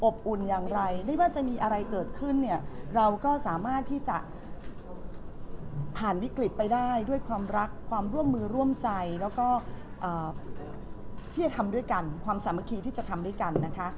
อุ่นอย่างไรไม่ว่าจะมีอะไรเกิดขึ้นเนี่ยเราก็สามารถที่จะผ่านวิกฤตไปได้ด้วยความรักความร่วมมือร่วมใจแล้วก็ที่จะทำด้วยกันความสามัคคีที่จะทำด้วยกันนะคะ